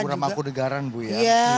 kurang mengaku negara ya